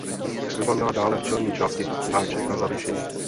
Přilba měla dále v čelní části háček na zavěšení.